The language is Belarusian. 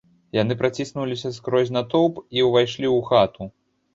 Яны праціснуліся скрозь натоўп і ўвайшлі ў хату.